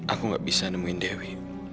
aku gak bisa nemuin dewi